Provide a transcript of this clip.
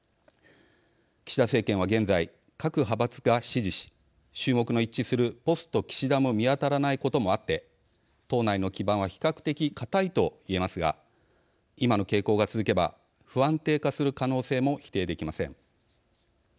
岸田政権は、現在各派閥が支持し衆目の一致するポスト岸田も見当たらないこともあって党内の基盤は比較的、固いと言えますが今の傾向が続けば不安定化する可能性も否定できません。